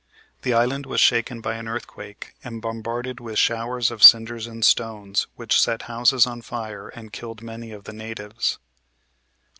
The island was shaken by an earthquake and bombarded with showers of cinders and stones, which set houses on fire and killed many of the natives.